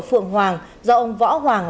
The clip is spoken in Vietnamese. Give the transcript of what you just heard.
phượng hoàng do ông võ hoàng